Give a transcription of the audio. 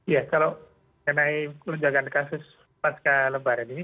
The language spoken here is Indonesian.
ya kalau menandai melojakan kasus pasca lebaran ini